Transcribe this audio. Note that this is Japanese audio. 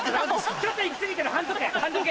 ちょっと行き過ぎてる半時計半時計！